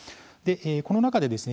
この中でですね